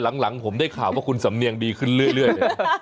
หลังผมได้ข่าวว่าคุณสำเนียงดีขึ้นเรื่อยเลย